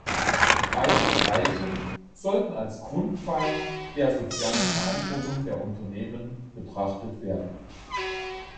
Beide Bereiche sollten als Grundpfeiler der sozialen Verantwortung der Unternehmen betrachtet werden.